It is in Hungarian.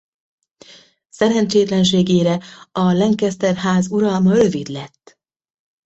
Szerencsétlenségére a Lancaster-ház uralma rövid lett.